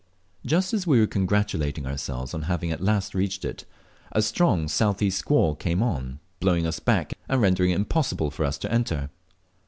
Just as we were congratulating ourselves on having at last reached it, a strong south east squall came on, blowing us back, and rendering it impossible for us to enter.